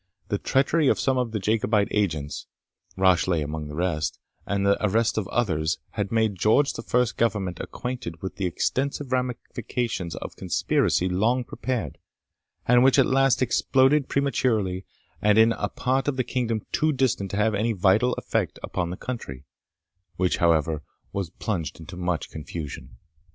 The treachery of some of the Jacobite agents (Rashleigh among the rest), and the arrest of others, had made George the First's Government acquainted with the extensive ramifications of a conspiracy long prepared, and which at last exploded prematurely, and in a part of the kingdom too distant to have any vital effect upon the country, which, however, was plunged into much confusion.